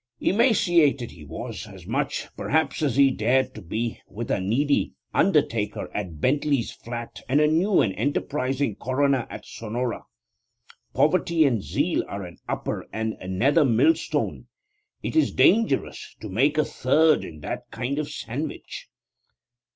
Emaciated he was; as much, perhaps, as he dared be, with a needy undertaker at Bentley's Flat and a new and enterprising coroner at Sonora. Poverty and zeal are an upper and a nether millstone. It is dangerous to make a third in that kind of sandwich.